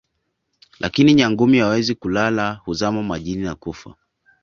lakini Nyangumi hawawezi kulala huzama majini na kufa